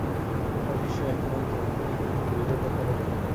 ও নিশ্চয়ই এখনো তোমাকে গিল্ডের ব্যাপারে বলেনি।